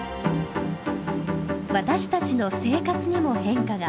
私たちの生活にも変化が。